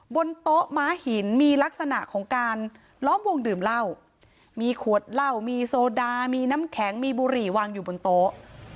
บนโต๊ะม้าหินมีลักษณะของการล้อมวงดื่มเหล้ามีขวดเหล้ามีโซดามีน้ำแข็งมีบุหรี่วางอยู่บนโต๊ะ